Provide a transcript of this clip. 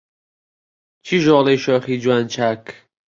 کیژۆڵەی شۆخی جوان چاک